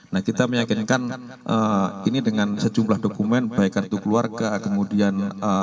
nah kita meyakinkan ini dengan sejumlah dokumen baik kartu keluarga kemudian